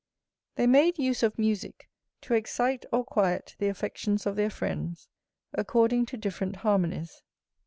They made use of musick to excite or quiet the affections of their friends, according to different harmonies.